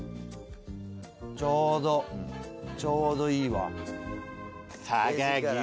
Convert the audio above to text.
ちょうどちょうどいいわ。